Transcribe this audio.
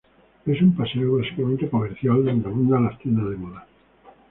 Es un paseo básicamente comercial donde abundan las tiendas de moda.